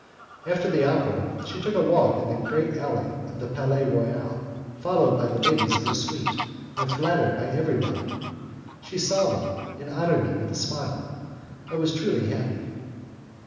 After the opera, she took a walk in the great alley of the Palais Royal, followed by the ladies of her suite and flattered by everybody. She saw me, and honoured me with a smile. I was truly happy.